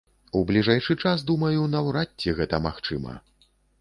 У бліжэйшы час, думаю, наўрад ці гэта магчыма.